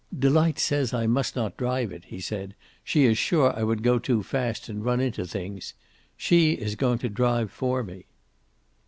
"Delight says I must not drive it," he said. "She is sure I would go too fast, and run into things. She is going to drive for me."